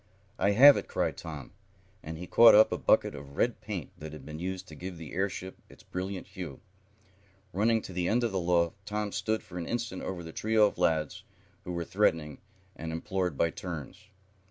"I have it!" cried Tom, and he caught up a bucket of red paint, that had been used to give the airship its brilliant hue. Running to the end of the loft Tom stood for an instant over the trio of lads who were threatening and imploring by 'turns.